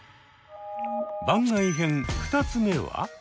番外編２つ目は。